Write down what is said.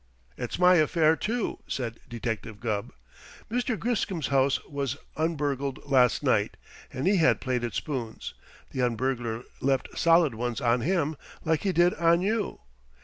"It's my affair too," said Detective Gubb. "Mr. Griscom's house was un burgled last night, and he had plated spoons. The un burglar left solid ones on him, like he did on you.